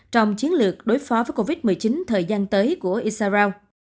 trong chiến lược đối phó với covid một mươi chín thời gian tới của isaraok